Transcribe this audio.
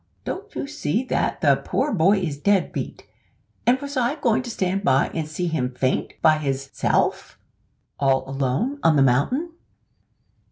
Don't you see that the poor boy is dead beat; and was I goin' to stand by and see him faint by his self; all alone on the mountain?"